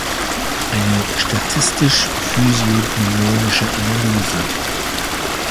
Eine statistisch-physiognomische Analyse".